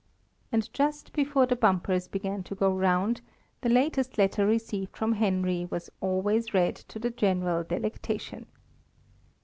And just before the bumpers began to go round, the latest letter received from Henry was always read to the general delectation.